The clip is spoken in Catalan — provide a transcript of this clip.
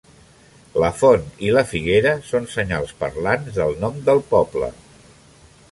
La font i la figuera són senyals parlants del nom del poble.